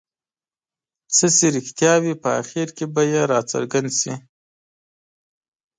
څه چې رښتیا وي په اخر کې به یې راڅرګند شي.